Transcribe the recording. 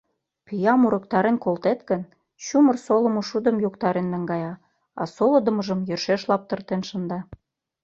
Пӱям урыктарен колтет гын, чумыр солымо шудым йоктарен наҥгая, а солыдымыжым йӧршеш лаптыртен шында...